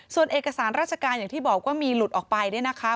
ส่วนเอกสารราชการอย่างที่บอกว่ามีหลุดออกไปเนี่ยนะคะ